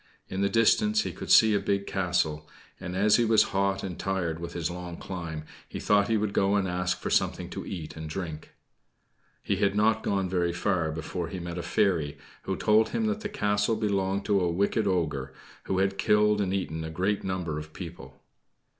In the distance he could see a big castle; and, as he was hot and tired with his long climb, he thought he would go and ask for something to eat and drink. He had not gone very far before he met a fairy, who told him that the castle belonged to a wicked ogre, who had killed and eaten a great number of people.